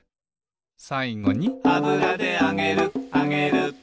「さいごに」「あぶらであげるあげる」